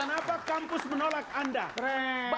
kenapa kampus menolak anda